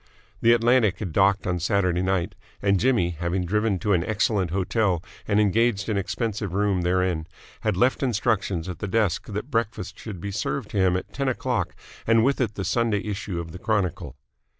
The Atlantic had docked on Saturday night, and Jimmy, having driven to an excellent hotel and engaged an expensive room therein, had left instructions at the desk that breakfast should be served to him at ten o'clock and with it the Sunday issue of the Chronicle.